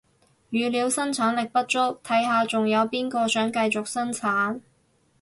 語料生產力不足，睇下仲有邊個想繼續生產